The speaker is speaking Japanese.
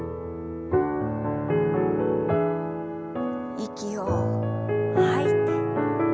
息を吐いて。